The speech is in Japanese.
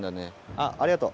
あっありがとう。